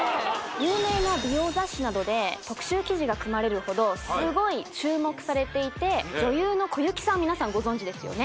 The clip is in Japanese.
有名な美容雑誌などで特集記事が組まれるほどすごい注目されていて女優の小雪さん皆さんご存じですよね？